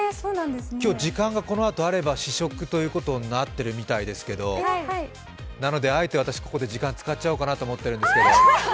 今日時間がこのあと、あれば試食ということになっているみたいですけどあえて私、ここで時間使っちゃおうかなと思っているんですけど。